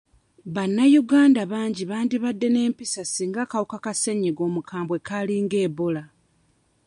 Bannayuganda bangi bandibadde n'empisa singa akawuka ka ssenyiga omukambwe kaali nga Ebola.